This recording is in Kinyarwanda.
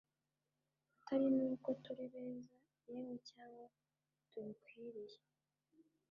atari n’uko turi beza yemwe cyangwa tubikwiriye